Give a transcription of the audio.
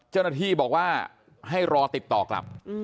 เจ้าหน้าที่บอกว่าให้รอติดต่อกลับ